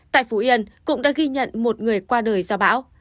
tại phú yên cũng đã ghi nhận một người qua đời do bão